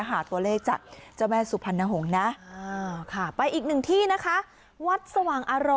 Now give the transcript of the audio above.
หาตัวเลขจากเจ้าแม่สุพรรณหงษ์นะ